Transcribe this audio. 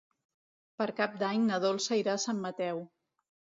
Per Cap d'Any na Dolça irà a Sant Mateu.